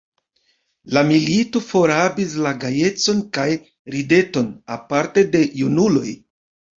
La milito forrabis la gajecon kaj rideton, aparte de junuloj.